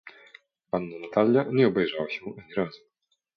"Panna Natalia nie obejrzała się ani razu."